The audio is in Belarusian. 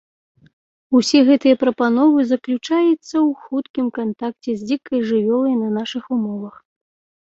Усе гэтыя прапановы заключаецца ў хуткім кантакце з дзікай жывёлай на нашых умовах.